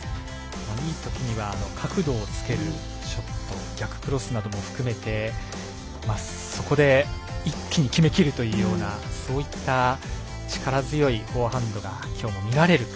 いいときには角度をつけるショット逆クロスなども含めてそこで一気に決めきるというようなそういった力強いフォアハンドがきょうも見られるか。